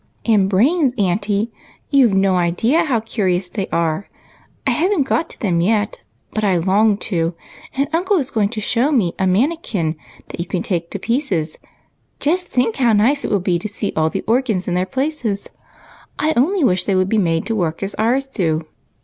And brains, auntie, you 've no idea how curious they are ; I haven't got to them yet, but I long to, and uncle is going to show me a manikin that you can take to 10 218 EIGHT COUSINS. pieces. Just think how nice it will be to see all the organs in their places ; I only wish they could be made to work as ours do."